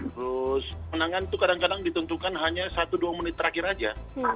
terus menangan itu kadang kadang ditentukan hanya satu dua menit terakhir saja